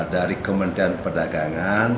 dari kementerian perdagangan